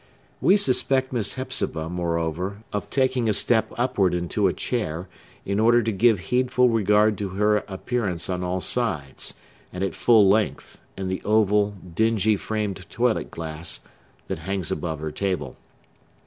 We suspect Miss Hepzibah, moreover, of taking a step upward into a chair, in order to give heedful regard to her appearance on all sides, and at full length, in the oval, dingy framed toilet glass, that hangs above her table.